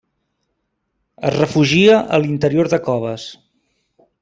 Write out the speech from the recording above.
Es refugia a l'interior de coves.